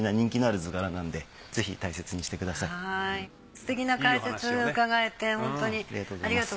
すてきな解説を伺えてホントにありがとうございました。